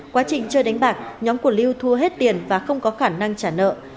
quá trình chơi đánh bạc nhóm của lưu thua hết tiền và không có khả năng trả nợ